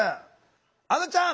あのちゃん！